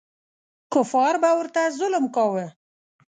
کفار به ورته ظلم کاوه.